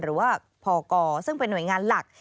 หรือว่าพกซึ่งเป็นหน่วยงานหลัก